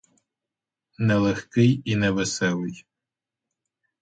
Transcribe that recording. Не легкий і не веселий.